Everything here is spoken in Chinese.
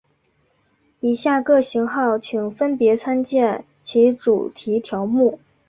以下各型号请分别参见其主题条目。